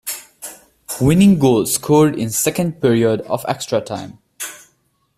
Winning goal scored in second period of extra time.